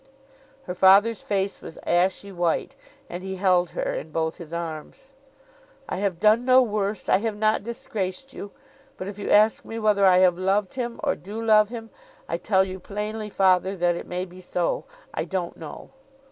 Her father's face was ashy white, and he held her in both his arms. 'I have done no worse, I have not disgraced you. But if you ask me whether I have loved him, or do love him, I tell you plainly, father, that it may be so. I don't know.